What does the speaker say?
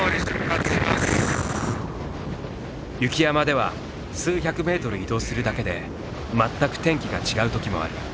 雪山では数百メートル移動するだけで全く天気が違うときもある。